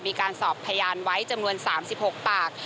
มีการสอบพยานไว้จำนวน๓๖ปาก